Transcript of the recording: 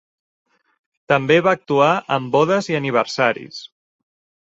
També va actuar en bodes i aniversaris.